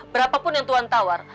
berapapun yang tuan tawar